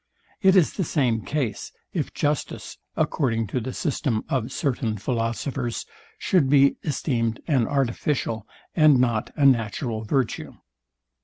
It is the same case, if justice, according to the system of certain philosophers, should be esteemed an artificial and not a natural virtue.